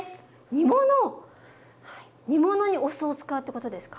煮物⁉煮物にお酢を使うってことですか？